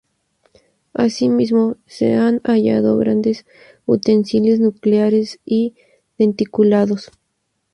Asimismo, se han hallado grandes utensilios nucleares y denticulados.